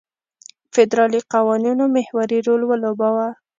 فدرالي قوانینو محوري رول ولوباوه.